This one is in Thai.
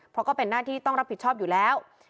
เพราะก็เป็นหน้าที่ต้องรับผิดชอบอยู่แล้ว